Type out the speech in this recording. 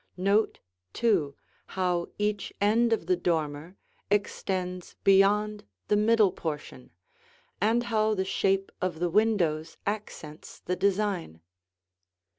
Note, too, how each end of the dormer extends beyond the middle portion, and how the shape of the windows accents the design.